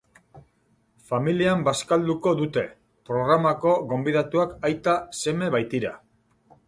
Familian bazkalduko dute, programako gonbidatuak aita-seme baitira.